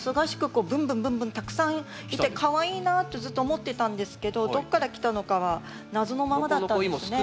こうブンブンブンブンたくさん来てかわいいなとずっと思ってたんですけどどっから来たのかは謎のままだったんですね。